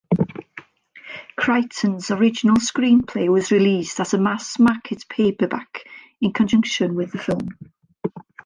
Crichton's original screenplay was released as a mass-market paperback in conjunction with the film.